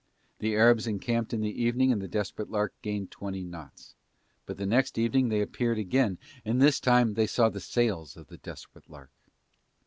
The Arabs encamped in the evening and the Desperate Lark gained twenty knots. But the next evening they appeared again and this time they saw the sails of the Desperate Lark.